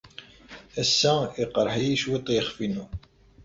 Ass-a, yeqreḥ-iyi cwiṭ yiɣef-inu.